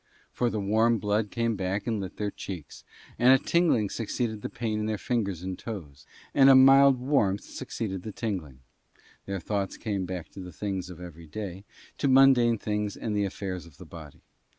For the warm blood came back and lit their cheeks, and a tingling succeeded the pain in their fingers and toes, and a mild warmth succeeded the tingling: their thoughts came back to the things of every day, to mundane things and the affairs of the body.